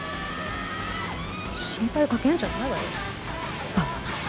心配かけんじゃないわよバカ。